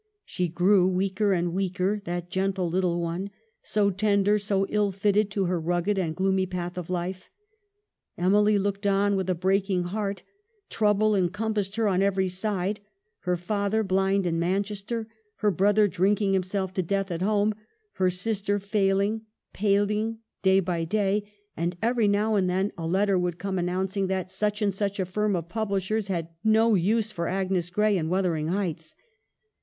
She grew weaker and weaker, that " gentle little one," so tender, so ill fitted to her rugged and gloomy path of life. Emily looked on with a breaking heart ; trouble encompassed her on every side ; her father blind in Manchester ; her brother drinking himself to death at home ; her sister failing, paling day by day ; and every now and then a letter would come announcing that such and such a firm of publishers had no use for 'Agnes Grey' and 'Wuthering Heights.'